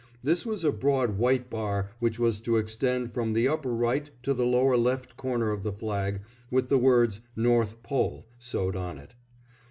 This was a broad white bar which was to extend from the upper right to the lower left corner of the flag, with the words "North Pole" sewed on it.